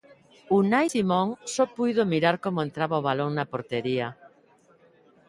Unai Simón só puido mirar como entraba o balón na portería.